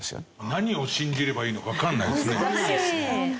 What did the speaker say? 何を信じればいいのかわからないですね。